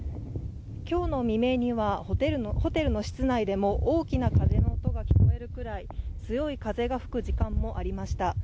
今日の未明にはホテルの室内でも大きな風の音が聞こえるくらい強い風が吹く時間もありました。